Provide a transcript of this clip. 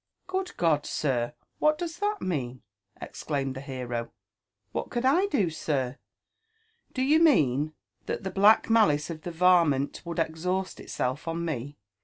" Good God, sir! what does that mean?" exclaimed the b«ro. *' What could I do, sir? Do you mean that the black malice of the varmint would exhaust itself on me?